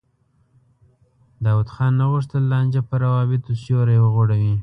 داود خان نه غوښتل لانجه پر روابطو سیوری وغوړوي.